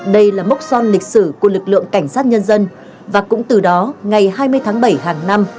đây là mốc son lịch sử của lực lượng cảnh sát nhân dân và cũng từ đó ngày hai mươi tháng bảy hàng năm